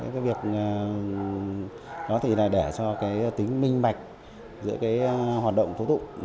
cái việc đó thì là để cho cái tính minh bạch giữa cái hoạt động tố thụ